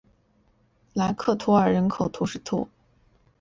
莱克图尔人口变化图示